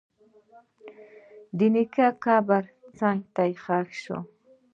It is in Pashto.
د نیکه قبر څنګ ته ښخ شو.